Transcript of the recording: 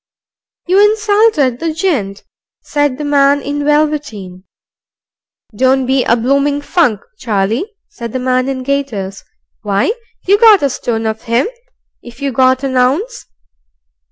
"You insulted the gent," said the man in velveteen. "Don't be a bloomin' funk, Charlie," said the man in gaiters. "Why, you got a stone of him, if you got an ounce."